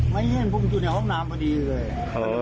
ไม่เห็นผมอยู่ในห้องน้ำพอดีเลย